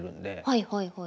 はいはいはい。